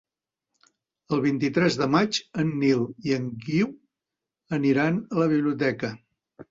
El vint-i-tres de maig en Nil i en Guiu aniran a la biblioteca.